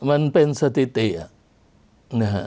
มันเป็นสถิตินะฮะ